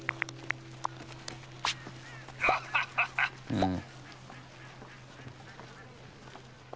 うん。